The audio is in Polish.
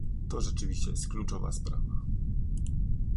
To rzeczywiście jest kluczowa sprawa